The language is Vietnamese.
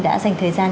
đã dành thời gian